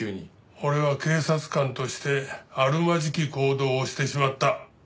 俺は警察官としてあるまじき行動をしてしまった。